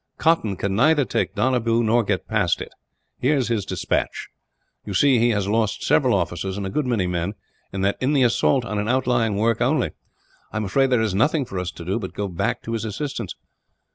"Cotton can neither take Donabew, nor get past it," he said. "Here is his despatch. You see, he has lost several officers and a good many men; and that in the assault on an outlying work, only. I am afraid that there is nothing for us to do, but go back to his assistance."